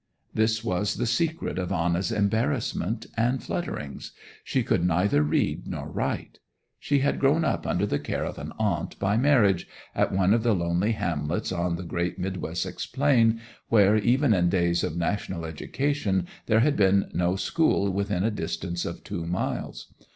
This was the secret of Anna's embarrassment and flutterings. She could neither read nor write. She had grown up under the care of an aunt by marriage, at one of the lonely hamlets on the Great Mid Wessex Plain where, even in days of national education, there had been no school within a distance of two miles.